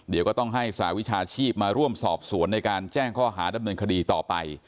เดี๋ยวก็ต้องให้สหวิชาชีพมาร่วมสอบสวนในการแจ้งข้อหาดำเนินคดีต่อไป